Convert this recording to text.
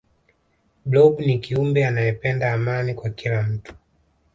blob ni kiumbe anayependa amani kwa kila mtu